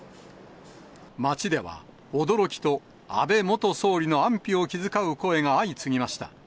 街では、驚きと安倍元総理の安否を気遣う声が相次ぎました。